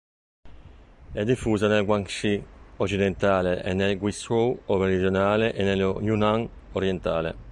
È diffusa nel Guangxi occidentale, nel Guizhou meridionale e nello Yunnan orientale.